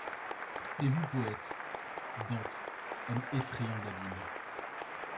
Et vous, poetes ; Dante, homme effrayant d’abîme